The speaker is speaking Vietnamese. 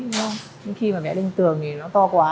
nhưng khi mà vẽ lên tường thì nó to quá